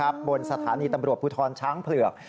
บนสถานีตำรวจภูทรช้างเผือก